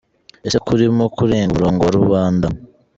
Ese ko urimo kurenga umurongo wa Rubanda?